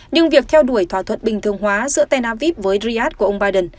nhưng việc theo đuổi thỏa thuận bình thường hóa giữa tena vip với riyadh của ông biden